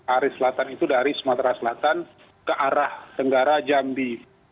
arah selatan itu dari sumatera selatan ke arah tenggara jambi